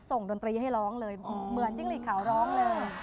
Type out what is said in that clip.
ดนตรีให้ร้องเลยเหมือนจิ้งหลีดขาวร้องเลย